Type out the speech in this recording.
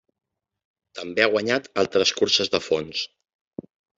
També ha guanyat altres curses de fons.